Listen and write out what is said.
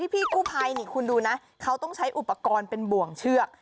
พี่กู้ภัยนี่คุณดูนะเขาต้องใช้อุปกรณ์เป็นบ่วงเชือก